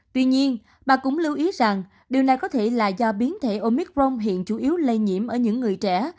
tuy nhiên bà cũng lưu ý rằng điều này có thể là do biến thể omicron hiện chủ yếu lây nhiễm ở những người trẻ